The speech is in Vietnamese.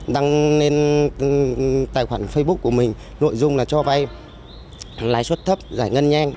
đăng lên tài khoản facebook của mình nội dung là cho vay lãi suất thấp giải ngân nhanh